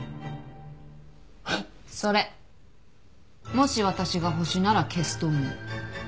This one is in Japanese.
もし私がホシなら消すと思う。